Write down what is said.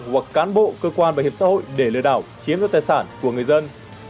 hoặc cán bộ cơ quan bảo hiểm xã hội để lừa đảo chiếm đoạt tài sản của người dân